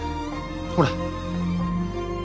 ほら。